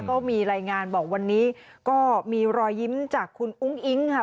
ก็มีรายงานบอกวันนี้ก็มีรอยยิ้มจากคุณอุ้งอิ๊งค่ะ